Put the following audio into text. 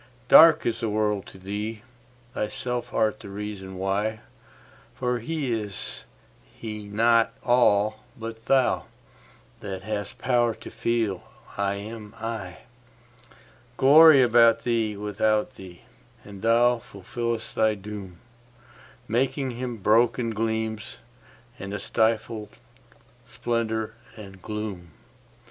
Dark is the world to thee: thyself art the reason why; For is He not all but thou, that hast power to feel 'I am I'?Glory about thee, without thee; and thou fulfillest thy doom, Making Him broken gleams, and a stifled splendour and gloom.